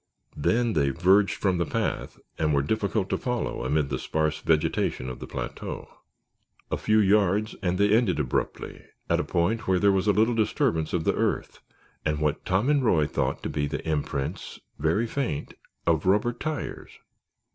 Then they verged from the path and were difficult to follow amid the sparse vegetation of the plateau. A few yards and they ended abruptly at a point where there was a little disturbance of the earth and what Tom and Roy thought to be the imprints, very faint, of rubber tires.